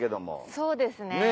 そうですね。